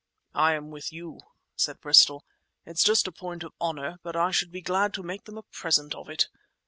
"I am with you," said Bristol. "It's just a point of honour; but I should be glad to make them a present of it.